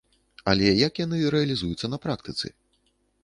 Але як яны рэалізуюцца на практыцы?